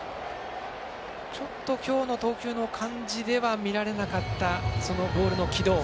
ちょっと、今日の投球の感じでは見られなかった、ボールの軌道。